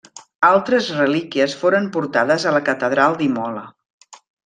Altres relíquies foren portades a la catedral d'Imola.